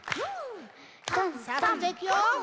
さあそれじゃあいくよ。